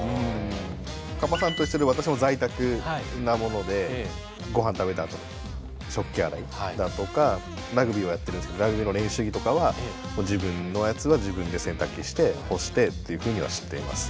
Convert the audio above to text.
カッパさんと一緒で私も在宅なものでご飯食べたあとの食器洗いだとかラグビーをやってるんですけどラグビーの練習着とかは自分のやつは自分で洗濯機して干してっていうふうにはしています。